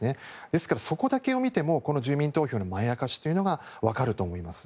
ですから、そこだけを見ても住民投票のまやかしというのが分かると思います。